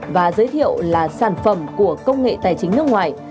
và giới thiệu là sản phẩm của công nghệ tài chính nước ngoài